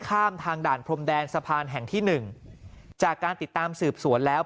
ทางด่านพรมแดนสะพานแห่งที่หนึ่งจากการติดตามสืบสวนแล้ว